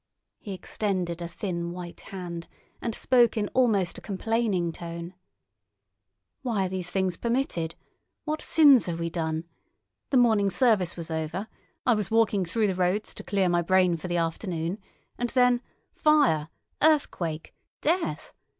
He extended a thin white hand and spoke in almost a complaining tone. "Why are these things permitted? What sins have we done? The morning service was over, I was walking through the roads to clear my brain for the afternoon, and then—fire, earthquake, death!